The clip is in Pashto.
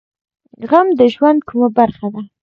غم د ژوند کومه برخه ده؟